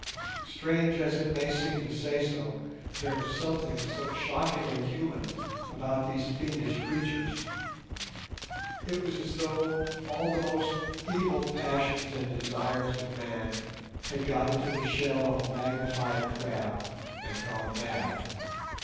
Strange as it may seem to say so, there was something so shockingly human about these fiendish creatures—it was as though all the most evil passions and desires of man had got into the shell of a magnified crab and gone mad.